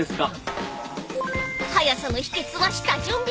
［早さの秘訣は下準備］